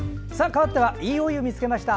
かわっては「＃いいお湯見つけました」。